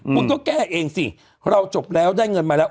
คุณก็แก้เองสิเราจบแล้วได้เงินมาแล้ว